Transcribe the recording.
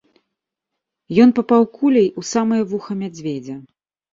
Ён папаў куляй у самае вуха мядзведзя.